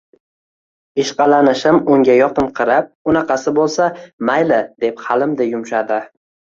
Ishqalanishim unga yoqinqirab, unaqa bo‘lsa, mayli, deb halimday yumshadi